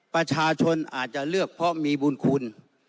ประชาชนอาจจะเลือกเพราะมีบุญคุณ